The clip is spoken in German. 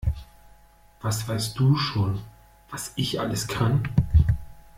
Was weißt du schon, was ich alles kann?